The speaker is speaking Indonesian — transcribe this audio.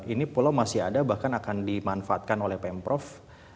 ini pulau masih ada bahkan akan dimanfaatkan oleh pemprov